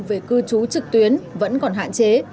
về cư trú trực tuyến vẫn còn hạn chế